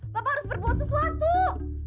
kamu harus berbontus suatu